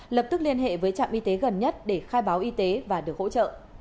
lập tức liên hệ với trạm y tế gần nhất để khai báo y tế và được hỗ trợ